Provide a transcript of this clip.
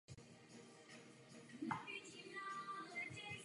O jeho původu jsou ve skutečnosti jen řídké a někdy i protichůdné zdroje.